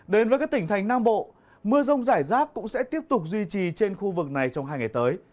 đến với các tỉnh thành nam bộ mưa rông rải rác cũng sẽ tiếp tục duy trì trên khu vực này trong hai ngày tới